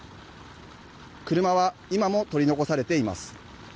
車は今も取り残されています。